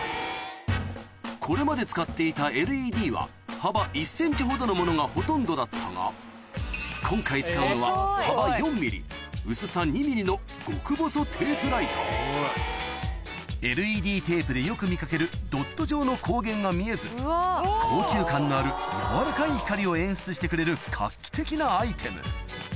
これまで使っていたＬＥＤは幅１ｃｍほどのものがほとんどだったが今回使うのは極細テープライトＬＥＤテープでよく見掛けるドット状の光源が見えず高級感のあるやわらかい光を演出してくれる画期的なアイテム